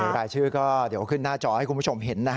รายชื่อก็เดี๋ยวขึ้นหน้าจอให้คุณผู้ชมเห็นนะฮะ